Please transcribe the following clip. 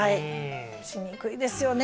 しにくいですよね